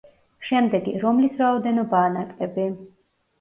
შემდეგი: რომლის რაოდენობაა ნაკლები?